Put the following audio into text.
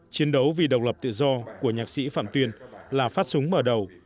chiến đấu vì độc lập tự do của nhạc sĩ phạm tuyên là phát súng mở đầu